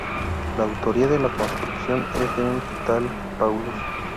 La autoría de la construcción es de un tal "Paulus".